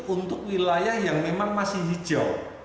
untuk wilayah yang memang masih hijau